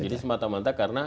jadi semata mata karena